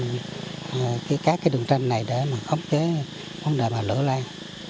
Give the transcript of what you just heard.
cái các cái đường tranh này để mà khống chế vấn đề mà lửa lên